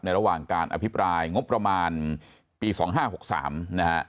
ระหว่างการอภิปรายงบประมาณปี๒๕๖๓นะฮะ